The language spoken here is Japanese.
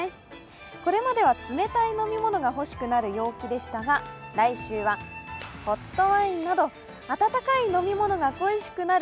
これまでは冷たい飲み物がほしくなる陽気でしたが来週はホットワインなど、温かい飲み物が恋しくなる